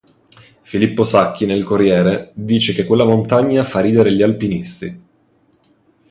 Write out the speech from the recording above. Filippo Sacchi nel Corriere, dice che quella montagna fa ridere gli alpinisti..